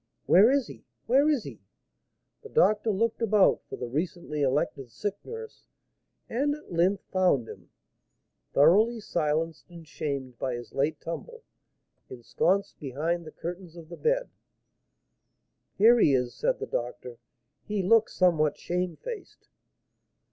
"Where is he? Where is he?" The doctor looked about for the recently elected sick nurse, and at length found him, thoroughly silenced and shamed by his late tumble, ensconced behind the curtains of the bed. "Here he is," said the doctor; "he looks somewhat shamefaced."